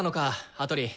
羽鳥！